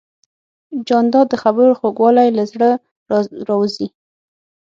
جانداد د خبرو خوږوالی له زړه راوزي.